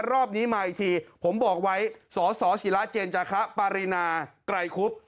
รอบนี้มาอีกทีผมบอกไว้สสิระเจนจาคะปารีนาไกรคุบ